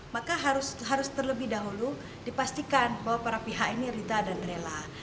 maka harus terlebih dahulu dipastikan bahwa para pihak ini rita dan rela